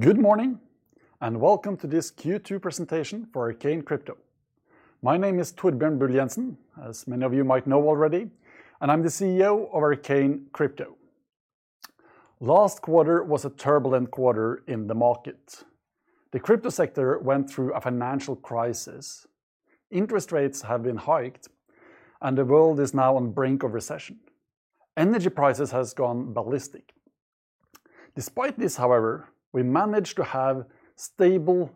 Good morning, and welcome to this Q2 Presentation for Arcane Crypto. My name is Torbjørn Bull Jenssen, as many of you might know already, and I'm the CEO of Arcane Crypto. Last quarter was a turbulent quarter in the market. The crypto sector went through a financial crisis. Interest rates have been hiked, and the world is now on brink of recession. Energy prices has gone ballistic. Despite this, however, we managed to have stable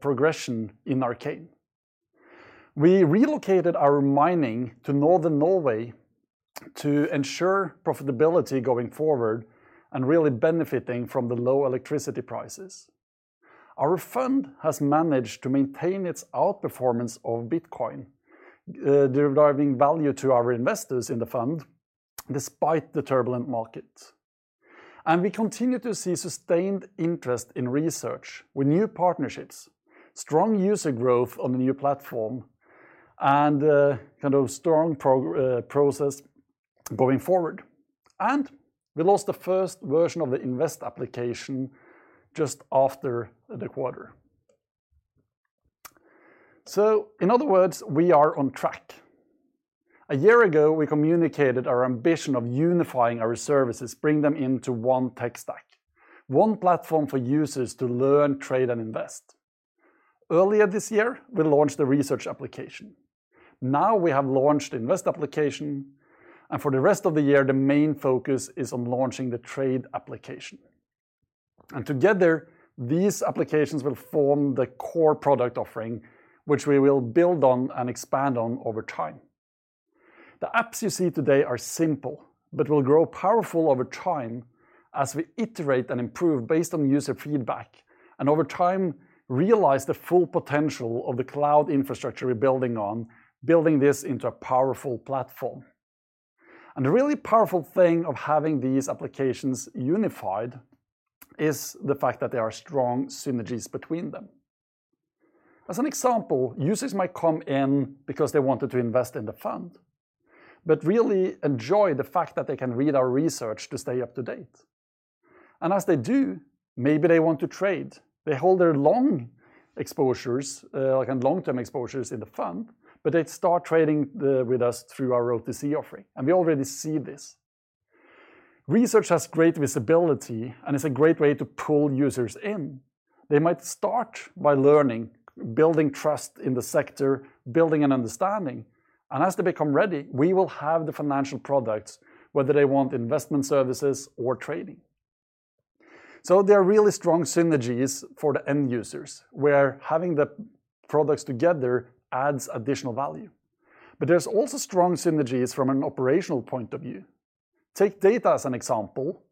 progression in Arcane. We relocated our mining to Northern Norway to ensure profitability going forward and really benefiting from the low electricity prices. Our fund has managed to maintain its outperformance of Bitcoin, delivering value to our investors in the fund despite the turbulent market. We continue to see sustained interest in research, with new partnerships, strong user growth on the new platform, and kind of strong progress going forward. We launched the first version of the Invest application just after the quarter. In other words, we are on track. A year ago, we communicated our ambition of unifying our services, bring them into one tech stack, one platform for users to learn, trade, and invest. Earlier this year, we launched the Research application. Now we have launched Invest application, and for the rest of the year, the main focus is on launching the Trade application. Together, these applications will form the core product offering, which we will build on and expand on over time. The apps you see today are simple but will grow powerful over time as we iterate and improve based on user feedback, and over time, realize the full potential of the cloud infrastructure we're building on, building this into a powerful platform. The really powerful thing of having these applications unified is the fact that there are strong synergies between them. As an example, users might come in because they wanted to invest in the fund but really enjoy the fact that they can read our research to stay up to date. As they do, maybe they want to trade. They hold their long exposures, like, and long-term exposures in the fund, but they start trading with us through our OTC offering, and we already see this. Research has great visibility, and it's a great way to pull users in. They might start by learning, building trust in the sector, building an understanding, and as they become ready, we will have the financial products, whether they want investment services or trading. There are really strong synergies for the end users, where having the products together adds additional value, but there's also strong synergies from an operational point of view. Take data as an example.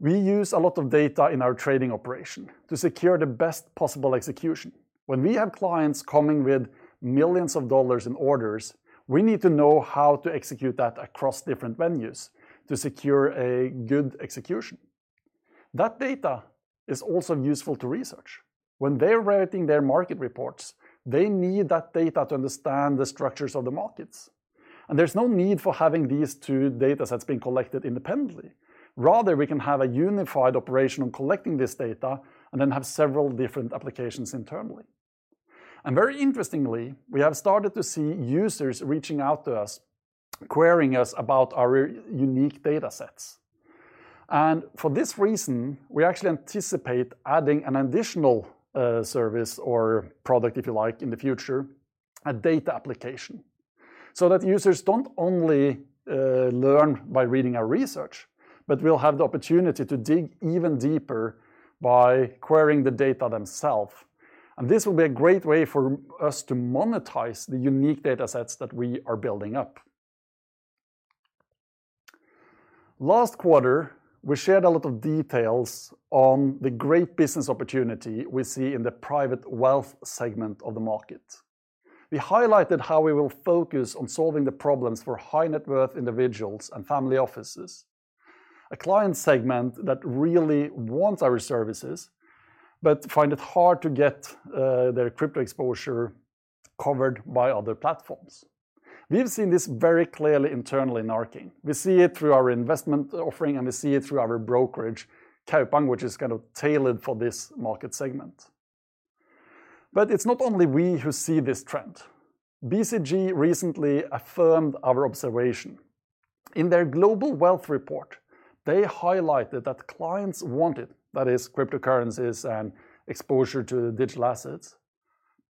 We use a lot of data in our trading operation to secure the best possible execution. When we have clients coming with millions of dollars in orders, we need to know how to execute that across different venues to secure a good execution. That data is also useful to Research. When they're writing their market reports, they need that data to understand the structures of the markets, and there's no need for having these two data sets being collected independently. Rather, we can have a unified operation on collecting this data and then have several different applications internally. Very interestingly, we have started to see users reaching out to us, querying us about our unique data sets. For this reason, we actually anticipate adding an additional service or product, if you like, in the future, a data application, so that users don't only learn by reading our research, but will have the opportunity to dig even deeper by querying the data themselves. This will be a great way for us to monetize the unique data sets that we are building up. Last quarter, we shared a lot of details on the great business opportunity we see in the private wealth segment of the market. We highlighted how we will focus on solving the problems for high-net-worth individuals and family offices, a client segment that really wants our services but find it hard to get, their crypto exposure covered by other platforms. We have seen this very clearly internally in Arcane. We see it through our investment offering, and we see it through our brokerage, Kaupang, which is kind of tailored for this market segment. It's not only we who see this trend. BCG recently affirmed our observation. In their global wealth report, they highlighted that clients want it, that is cryptocurrencies and exposure to digital assets,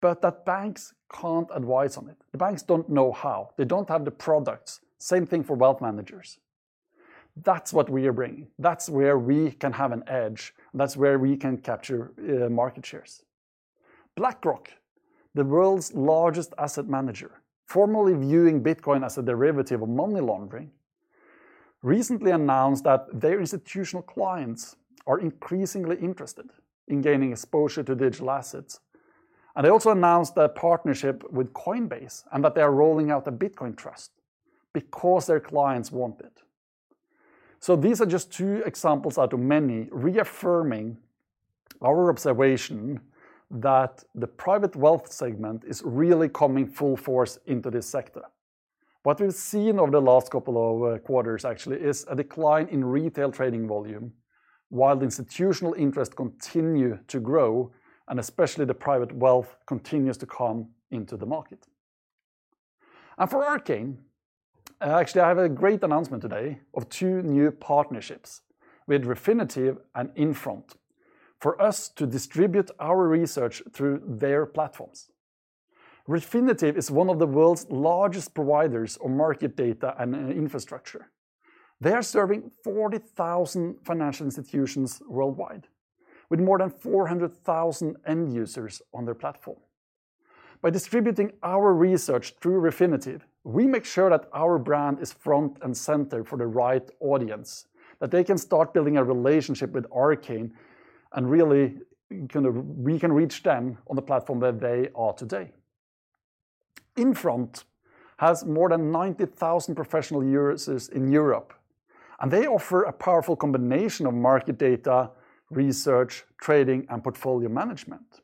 but that banks can't advise on it. The banks don't know how. They don't have the products. Same thing for wealth managers. That's what we are bringing. That's where we can have an edge. That's where we can capture, market shares. BlackRock, the world's largest asset manager, formerly viewing bitcoin as a derivative of money laundering, recently announced that their institutional clients are increasingly interested in gaining exposure to digital assets, and they also announced their partnership with Coinbase, and that they are rolling out the Bitcoin Trust because their clients want it. These are just two examples out of many reaffirming our observation that the private wealth segment is really coming full force into this sector. What we've seen over the last couple of quarters actually is a decline in retail trading volume, while the institutional interest continue to grow, and especially the private wealth continues to come into the market. For Arcane, actually I have a great announcement today of two new partnerships with Refinitiv and Infront for us to distribute our research through their platforms. Refinitiv is one of the world's largest providers of market data and infrastructure. They are serving 40,000 financial institutions worldwide, with more than 400,000 end users on their platform. By distributing our research through Refinitiv, we make sure that our brand is front and center for the right audience, that they can start building a relationship with Arcane, and really we can reach them on the platform where they are today. Infront has more than 90,000 professional users in Europe, and they offer a powerful combination of market data, research, trading, and portfolio management.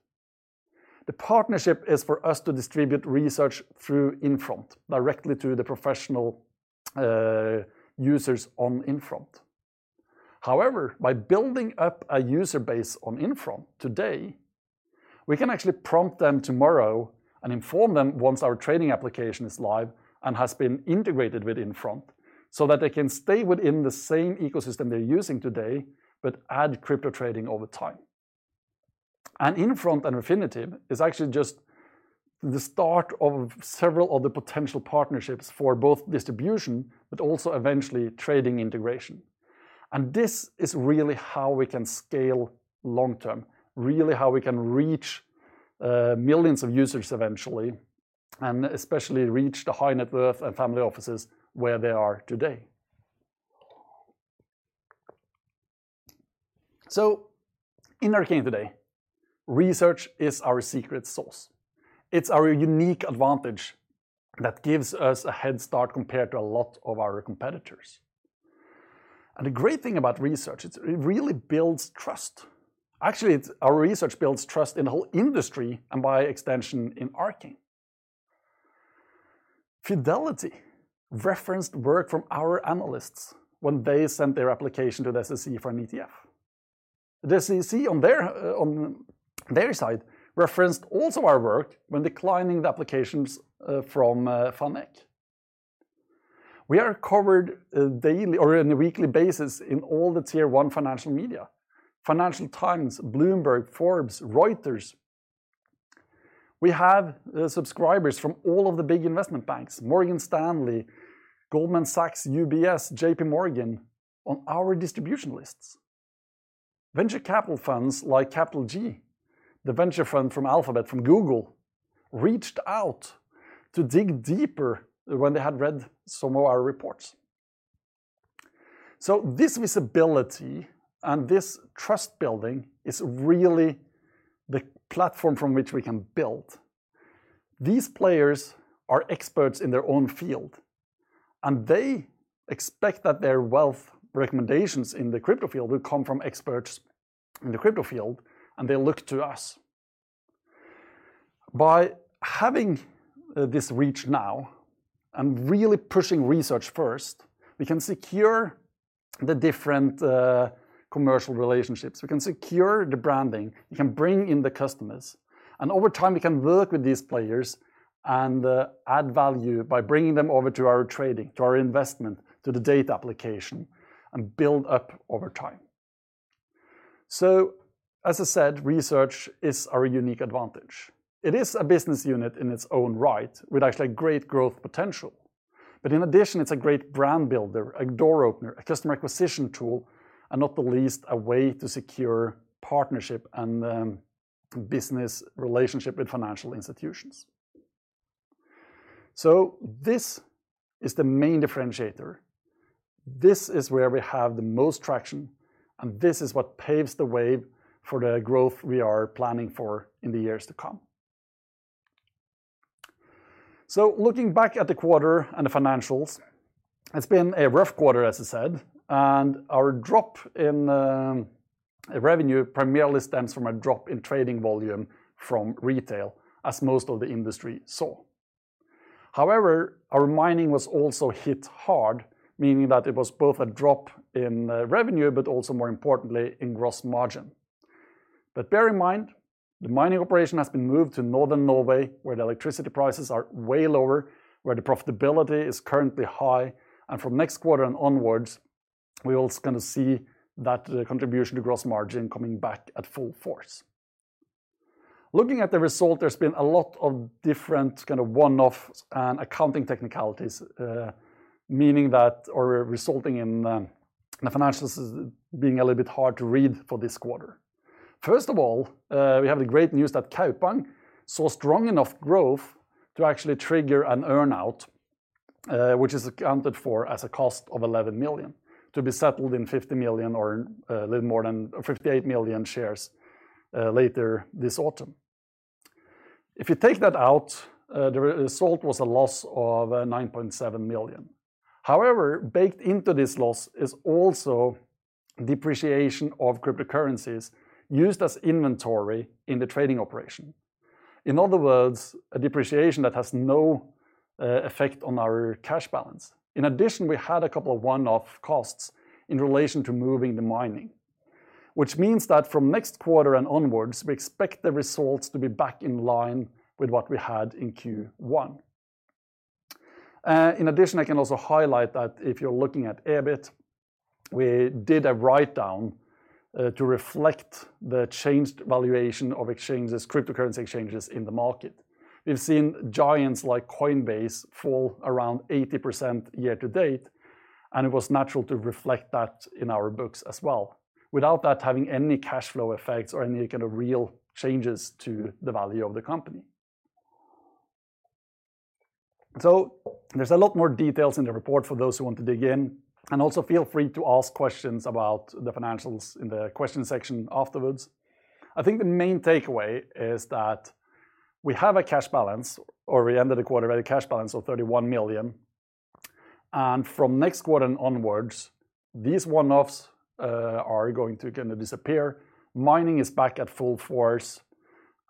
The partnership is for us to distribute research through Infront directly to the professional users on Infront. However, by building up a user base on Infront today, we can actually prompt them tomorrow and inform them once our trading application is live and has been integrated with Infront, so that they can stay within the same ecosystem they're using today, but add crypto trading over time. Infront and Refinitiv is actually just the start of several other potential partnerships for both distribution, but also eventually trading integration. This is really how we can scale long term, really how we can reach millions of users eventually, and especially reach the high net worth and family offices where they are today. In Arcane today, research is our secret sauce. It's our unique advantage that gives us a head start compared to a lot of our competitors. The great thing about research, it really builds trust. Actually, our research builds trust in the whole industry, and by extension, in Arcane. Fidelity referenced work from our analysts when they sent their application to the SEC for an ETF. The SEC on their, on their side referenced also our work when declining the applications, from, VanEck. We are covered, daily or on a weekly basis in all the tier one financial media, Financial Times, Bloomberg, Forbes, Reuters. We have, subscribers from all of the big investment banks, Morgan Stanley, Goldman Sachs, UBS, JPMorgan, on our distribution lists. Venture capital funds like CapitalG, the venture fund from Alphabet, from Google, reached out to dig deeper when they had read some of our reports. This visibility and this trust building is really the platform from which we can build. These players are experts in their own field, and they expect that their wealth recommendations in the crypto field will come from experts in the crypto field, and they look to us. By having this reach now and really pushing research first, we can secure the different commercial relationships. We can secure the branding. We can bring in the customers. Over time, we can work with these players and add value by bringing them over to our trading, to our investment, to the data application, and build up over time. As I said, research is our unique advantage. It is a business unit in its own right with actually great growth potential. In addition, it's a great brand builder, a door opener, a customer acquisition tool, and not the least, a way to secure partnership and business relationship with financial institutions. This is the main differentiator. This is where we have the most traction, and this is what paves the way for the growth we are planning for in the years to come. Looking back at the quarter and the financials, it's been a rough quarter, as I said, and our drop in revenue primarily stems from a drop in trading volume from retail, as most of the industry saw. However, our mining was also hit hard, meaning that it was both a drop in revenue, but also more importantly, in gross margin. Bear in mind, the mining operation has been moved to Northern Norway, where the electricity prices are way lower, where the profitability is currently high, and from next quarter and onwards, we all gonna see that contribution to gross margin coming back at full force. Looking at the result, there's been a lot of different kind of one-offs and accounting technicalities, resulting in the financials as being a little bit hard to read for this quarter. First of all, we have the great news that Kaupang saw strong enough growth to actually trigger an earn-out, which is accounted for as a cost of 11 million, to be settled in 50 million or a little more than 58 million shares later this autumn. If you take that out, the result was a loss of 9.7 million. However, baked into this loss is also depreciation of cryptocurrencies used as inventory in the trading operation. In other words, a depreciation that has no effect on our cash balance. In addition, we had a couple of one-off costs in relation to moving the mining, which means that from next quarter and onwards, we expect the results to be back in line with what we had in Q1. In addition, I can also highlight that if you're looking at EBIT, we did a write-down to reflect the changed valuation of exchanges, cryptocurrency exchanges in the market. We've seen giants like Coinbase fall around 80% year to date, and it was natural to reflect that in our books as well, without that having any cash flow effects or any kind of real changes to the value of the company. There's a lot more details in the report for those who want to dig in, and also feel free to ask questions about the financials in the question section afterwards. I think the main takeaway is that we have a cash balance, or we ended the quarter with a cash balance of 31 million. From next quarter onwards, these one-offs are going to kind of disappear. Mining is back at full force,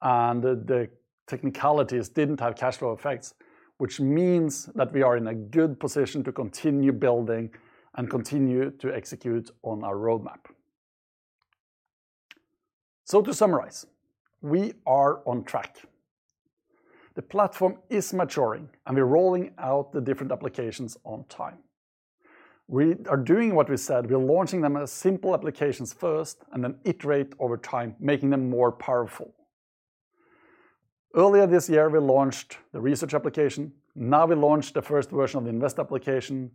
and the technicalities didn't have cash flow effects, which means that we are in a good position to continue building and continue to execute on our roadmap. To summarize, we are on track. The platform is maturing, and we're rolling out the different applications on time. We are doing what we said. We are launching them as simple applications first and then iterate over time, making them more powerful. Earlier this year, we launched the research application. Now we launched the first version of the invest application,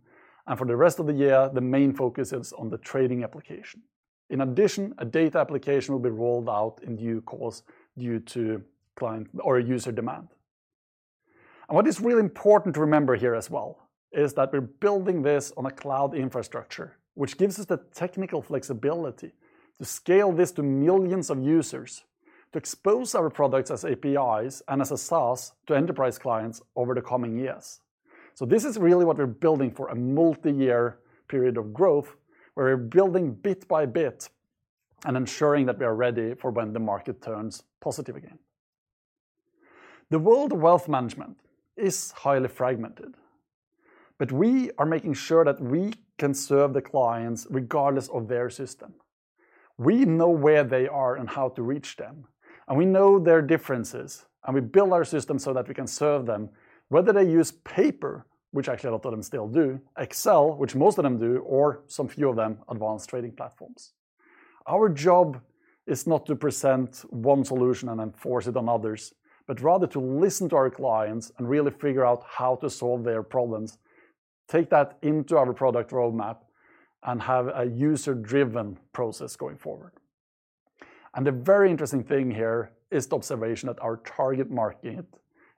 and for the rest of the year, the main focus is on the trading application. In addition, a data application will be rolled out in due course due to client or user demand. What is really important to remember here as well is that we're building this on a cloud infrastructure, which gives us the technical flexibility to scale this to millions of users, to expose our products as APIs and as a SaaS to enterprise clients over the coming years. This is really what we're building for a multiyear period of growth, where we're building bit by bit and ensuring that we are ready for when the market turns positive again. The world wealth management is highly fragmented, but we are making sure that we can serve the clients regardless of their system. We know where they are and how to reach them, and we know their differences, and we build our system so that we can serve them, whether they use paper, which actually a lot of them still do, Excel, which most of them do, or some few of them, advanced trading platforms. Our job is not to present one solution and then force it on others, but rather to listen to our clients and really figure out how to solve their problems, take that into our product roadmap, and have a user-driven process going forward. The very interesting thing here is the observation that our target market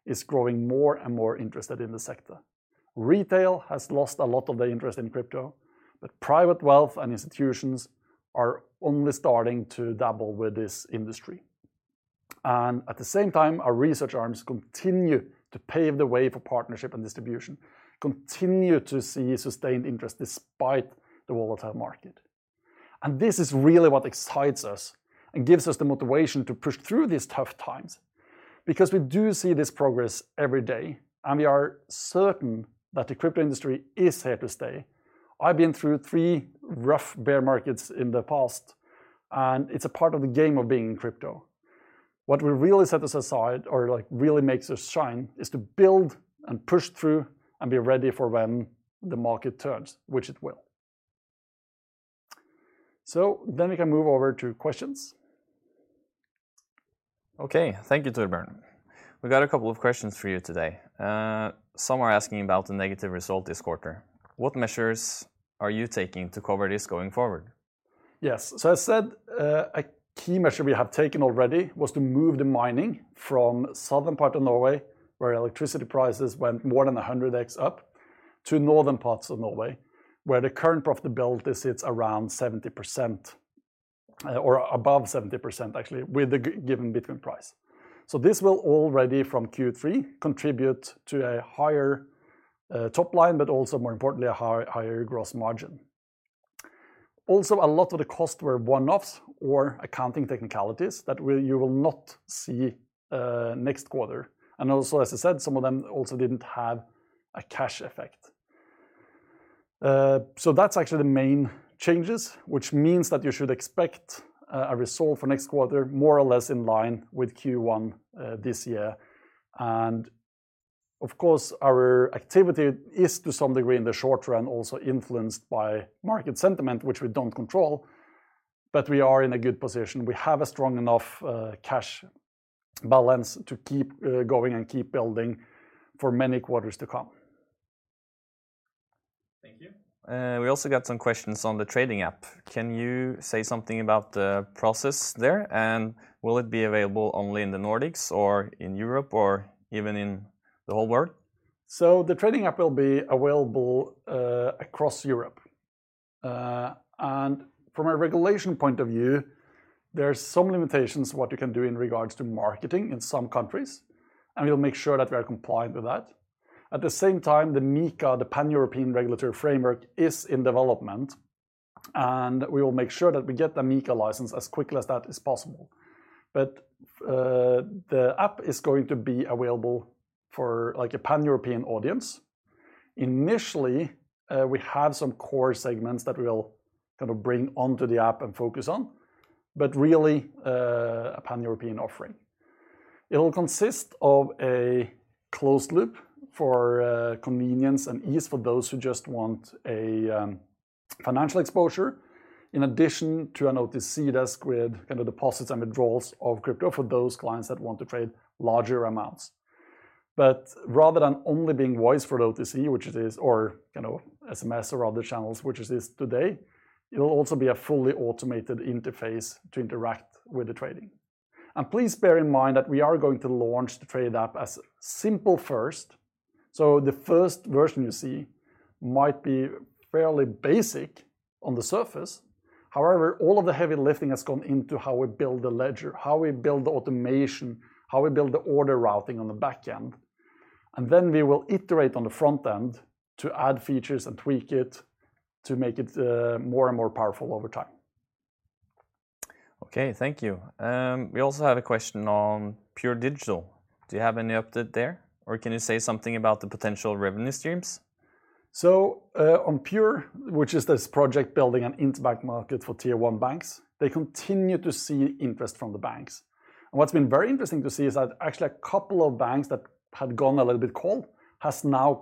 is growing more and more interested in the sector. Retail has lost a lot of the interest in crypto, but private wealth and institutions are only starting to dabble with this industry. At the same time, our research arms continue to pave the way for partnership and distribution, continue to see sustained interest despite the volatile market. This is really what excites us and gives us the motivation to push through these tough times because we do see this progress every day, and we are certain that the crypto industry is here to stay. I've been through three rough bear markets in the past, and it's a part of the game of being in crypto. What will really set us aside or, like, really makes us shine is to build and push through and be ready for when the market turns, which it will. We can move over to questions. Okay. Thank you, Torbjørn. We got a couple of questions for you today. Some are asking about the negative result this quarter. What measures are you taking to cover this going forward? Yes. I said, a key measure we have taken already was to move the mining from southern part of Norway, where electricity prices went more than 100x up, to northern parts of Norway, where the current profitability sits around 70%, or above 70% actually, with the given bitcoin price. This will already from Q3 contribute to a higher top line, but also more importantly, a higher gross margin. Also, a lot of the costs were one-offs or accounting technicalities that you will not see next quarter. Also, as I said, some of them also didn't have a cash effect. That's actually the main changes, which means that you should expect a result for next quarter more or less in line with Q1 this year. Of course, our activity is to some degree in the short run also influenced by market sentiment, which we don't control, but we are in a good position. We have a strong enough cash balance to keep going and keep building for many quarters to come. Thank you. We also got some questions on the trading app. Can you say something about the process there, and will it be available only in the Nordics or in Europe or even in the whole world? The trading app will be available across Europe. From a regulation point of view, there are some limitations what you can do in regards to marketing in some countries, and we'll make sure that we are compliant with that. At the same time, the MiCA, the Pan-European regulatory framework, is in development, and we will make sure that we get the MiCA license as quickly as that is possible. The app is going to be available for, like, a Pan-European audience. Initially, we have some core segments that we'll kind of bring onto the app and focus on, but really, a Pan-European offering. It'll consist of a closed loop for convenience and ease for those who just want a financial exposure, in addition to an OTC desk with kind of deposits and withdrawals of crypto for those clients that want to trade larger amounts. Rather than only being voice for OTC, which it is, or, you know, SMS or other channels, which it is today, it'll also be a fully automated interface to interact with the trading. Please bear in mind that we are going to launch the trade app as simple first. The first version you see might be fairly basic on the surface. However, all of the heavy lifting has gone into how we build the ledger, how we build the automation, how we build the order routing on the back end. We will iterate on the front end to add features and tweak it to make it more and more powerful over time. Okay, thank you. We also have a question on Pure Digital. Do you have any update there? Or can you say something about the potential revenue streams? On Pure, which is this project building an interbank market for Tier 1 banks, they continue to see interest from the banks. What's been very interesting to see is that actually a couple of banks that had gone a little bit cold has now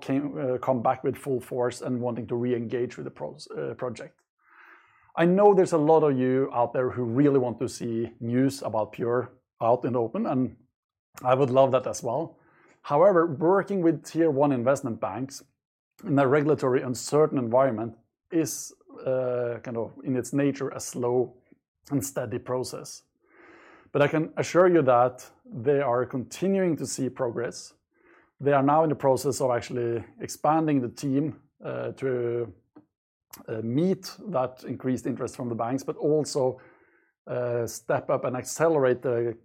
come back with full force and wanting to re-engage with the project. I know there's a lot of you out there who really want to see news about Pure out in the open, and I would love that as well. However, working with Tier 1 investment banks in a regulatory uncertain environment is kind of in its nature a slow and steady process. I can assure you that they are continuing to see progress. They are now in the process of actually expanding the team to meet that increased interest from the banks, but also step up and accelerate the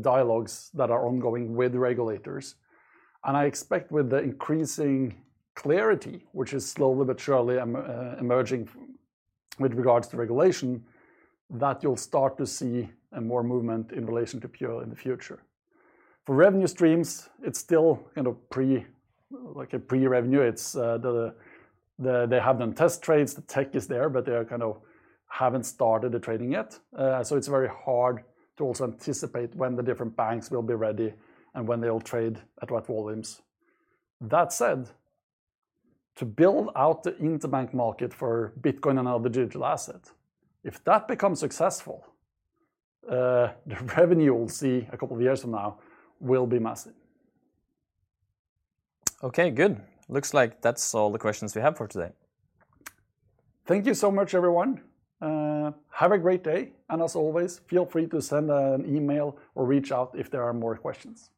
dialogues that are ongoing with regulators. I expect with the increasing clarity, which is slowly but surely emerging with regards to regulation, that you'll start to see more movement in relation to Pure in the future. For revenue streams, it's still kind of pre, like a pre-revenue. They have done test trades. The tech is there, but they kind of haven't started the trading yet. So it's very hard to also anticipate when the different banks will be ready and when they'll trade at what volumes. That said, to build out the interbank market for Bitcoin and other digital assets, if that becomes successful, the revenue we'll see a couple of years from now will be massive. Okay, good. Looks like that's all the questions we have for today. Thank you so much, everyone. Have a great day, and as always, feel free to send an email or reach out if there are more questions.